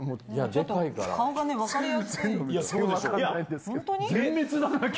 ちょっと顔が分かりやすい。